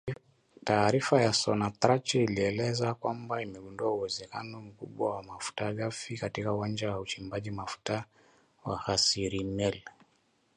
Taarifa ya Sonatrach inaeleza kwamba imegundua uwezekano mkubwa wa mafuta ghafi katika uwanja wa uchimbaji mafuta wa Hassi Rmel